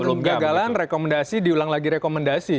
mengulang kegagalan rekomendasi diulang lagi rekomendasi